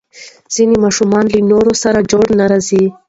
ځینې ماشومان له نورو سره جوړ نه راځي.